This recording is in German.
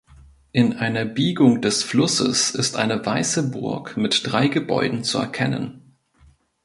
In einer Biegung des Flusses ist eine weiße Burg mit drei Gebäuden zu erkennen.